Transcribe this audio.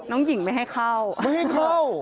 น้องหญิงไม่ให้เข้าไม่ให้เข้า